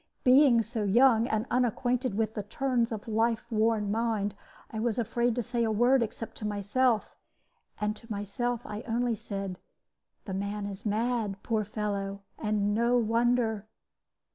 Being so young, and unacquainted with the turns of life worn mind, I was afraid to say a word except to myself, and to myself I only said, "The man is mad, poor fellow; and no wonder!"